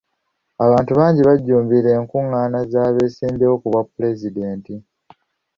Abantu bangi bajjumbira enkungaana z'abesimbyewo ku bwa pulezidenti.